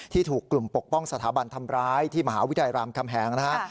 ที่ถูกกลุ่มปกป้องสถาบันธรรมร้ายที่มหาวิทยาลามคำแหงนะครับ